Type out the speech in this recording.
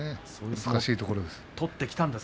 難しいところです。